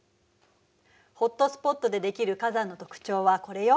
ホットスポットでできる火山の特徴はこれよ。